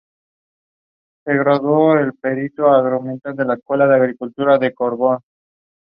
It is affiliated to University of Maiduguri for its degree programmes.